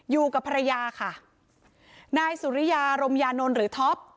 อยู่กับภรรยาค่ะนายสุริยารมยานนท์หรือท็อป